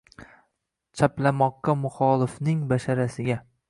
chaplamoqqa muxolifning basharasiga